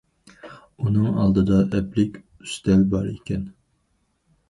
ئۇنىڭ ئالدىدا ئەپلىك ئۈستەل بار ئىكەن.